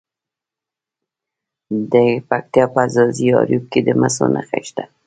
د پکتیا په ځاځي اریوب کې د مسو نښې شته.